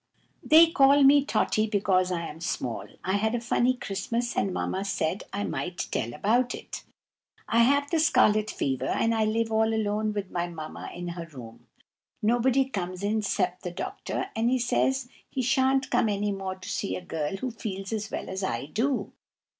THEY call me Totty, because I am small. I had a funny Christmas, and Mamma said I might tell about it. I have the scarlet fever, and I live all alone with my Mamma in her room. Nobody comes in 'cept the doctor, and he says he sha'n't come any more to see a girl who feels as well as I do.